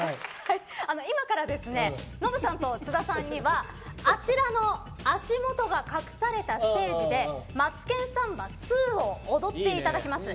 今から、ノブさんと津田さんにはあちらの足元が隠されたステージで「マツケンサンバ２」を踊っていただきます。